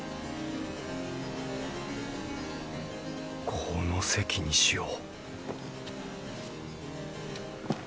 この席にしよう